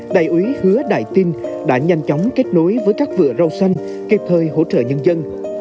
đại úy hứa đại tinh đã nhanh chóng kết nối với các vựa rau xanh kịp thời hỗ trợ nhân dân